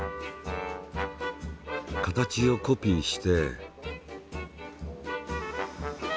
形をコピーして。